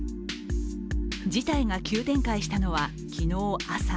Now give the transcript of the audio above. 事態が急展開したのは昨日、朝。